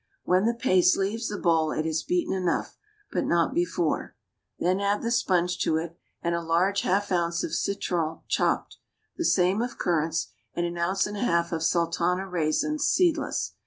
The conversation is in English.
When the paste leaves the bowl it is beaten enough, but not before; then add the sponge to it, and a large half ounce of citron chopped, the same of currants, and an ounce and a half of sultana raisins, seedless.